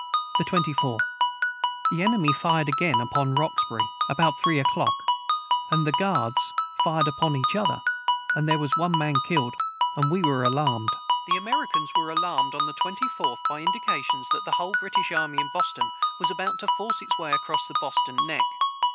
the 24. The enemy fired again upon Roxbury about 3 o clock and the guards fired upon each other and their was one man killed and we were alarmed. [Footnote 125: The Americans were alarmed on the 24th by indications that the whole British army in Boston was about to force its way across Boston neck.